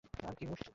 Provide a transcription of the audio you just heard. আরে কী মুশকিল!